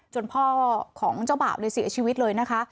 พ่อของเจ้าบ่าวเลยเสียชีวิตเลยนะคะ